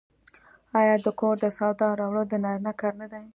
آیا د کور د سودا راوړل د نارینه کار نه دی؟